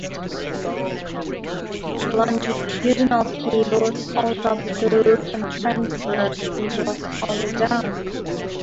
Longitudinal cables hold up the roof and transverse cables hold it down.